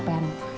tidak boleh capek